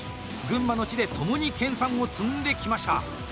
群馬の地でともに研さんを積んできました。